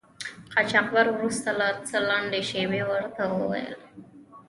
قاچاقبر وروسته له څه لنډې شیبې ورته و ویل.